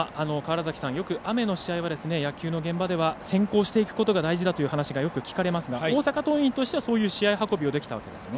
よく雨の試合は野球の現場では先行していくことが大事だという話をよく聞かれますが大阪桐蔭としてはそういう試合運びができたんですね。